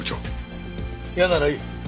嫌ならいい。